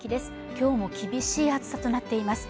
今日も厳しい暑さとなっています